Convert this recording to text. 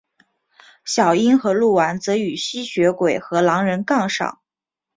小樱和鹿丸则与吸血鬼和狼人杠上。